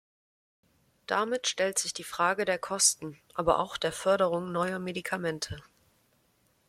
Damit stellt sich die Frage der Kosten, aber auch der Förderung neuer Medikamente.